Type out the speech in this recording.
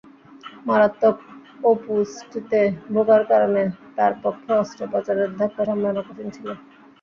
মারাত্মক অপুষ্টিতে ভোগার কারণে তাঁর পক্ষে অস্ত্রোপচারের ধাক্কা সামলানো কঠিন ছিল।